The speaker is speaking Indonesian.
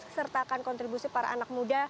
sertakan kontribusi para anak muda